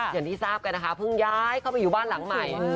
อย่างที่ทราบกันนะคะเพิ่งย้ายเข้าไปอยู่บ้านหลังใหม่